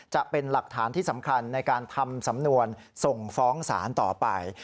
จะเป็นหลักฐานที่สำคัญในการทำสำนวนส่งฟ้องศาลต่อไป